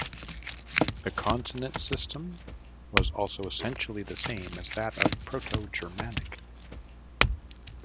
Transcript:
The consonant system was also essentially the same as that of Proto-Germanic.